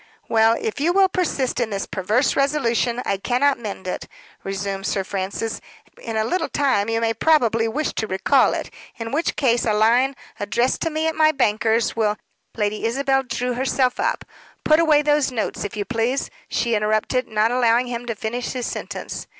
"Well, if you will persist in this perverse resolution, I cannot mend it," resumed Sir Francis. "In a little time you may probably wish to recall it; in which case a line, addressed to me at my banker's, will " Lady Isabel drew herself up. "Put away those notes, if you please," she interrupted, not allowing him to finish his sentence.